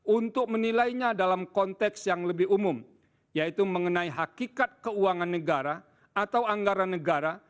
untuk menilainya dalam konteks yang lebih umum yaitu mengenai hakikat keuangan negara atau anggaran negara